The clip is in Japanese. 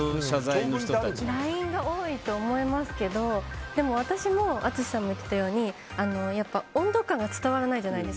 ＬＩＮＥが多いと思いますけど私も淳さんが言っていたように温度感が伝わらないＬＩＮＥだと。